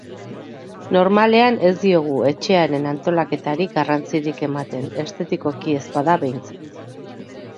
Normalean ez diogu etxearen antolaketari garrantzirik ematen, estetikoki ez bada behintzat.